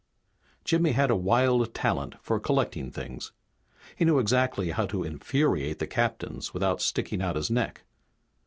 Jimmy had a wild talent for collecting things. He knew exactly how to infuriate the captains without sticking out his neck.